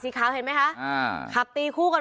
แซ็คเอ้ยเป็นยังไงไม่รอดแน่